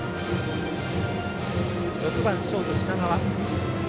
６番、ショート、品川。